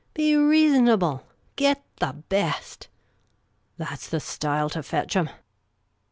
Be reasonable ! Get the best !' That 's the style to fetch 'em